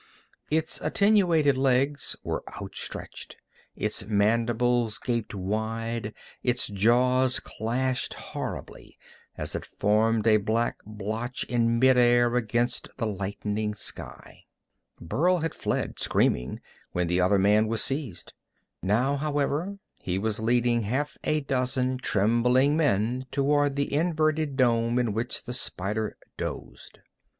Its attenuated legs were outstretched, its mandibles gaped wide, and its jaws clashed horribly as it formed a black blotch in mid air against the lightening sky. Burl had fled, screaming, when the other man was seized. Now, however, he was leading half a dozen trembling men toward the inverted dome in which the spider dozed.